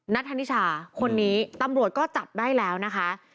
นัทธนิชาคนนี้ตำรวจก็จับได้แล้วนะคะ